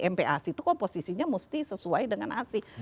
mp asi itu komposisinya mesti sesuai dengan asi